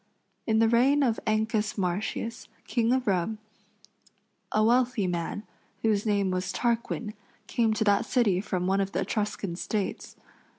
In the reign of Ancus Martius, King of Rome, a wealthy man, whose name was Tarquin, came to that city from one of the Etruscan States.